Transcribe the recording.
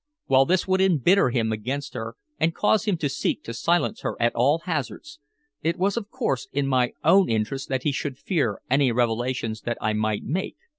While this would embitter him against her and cause him to seek to silence her at all hazards, it was of course in my own interests that he should fear any revelations that I might make.